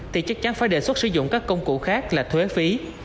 thì chắc chắn phải đề xuất sử dụng các công cụ khác là thuế phí